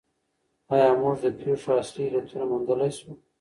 آیا موږ د پېښو اصلي علتونه موندلای شو؟